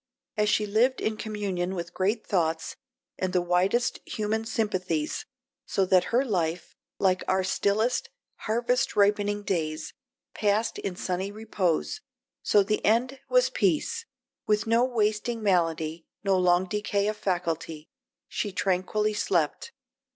As she lived in communion with great thoughts and the widest human sympathies, so that her life, like our stillest, harvest ripening days, passed in sunny repose, so the end was peace. With no wasting malady, no long decay of faculty, she tranquilly slept.